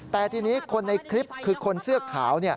แต่ทีนี้คนในคลิปคือคนเสื้อขาว